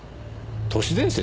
都市伝説？